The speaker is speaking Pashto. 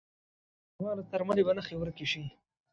زما له څرمنې به نخښې ورکې شې